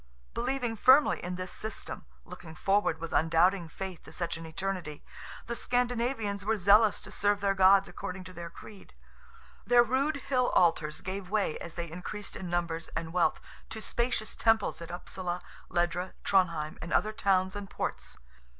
Believing firmly in this system—looking forward with undoubting faith to such an eternity—the Scandinavians were zealous to serve their gods according to their creed. Their rude hill altars gave way as they increased in numbers and wealth, to spacious temples at Upsala, Ledra, Tronheim, and other towns and ports.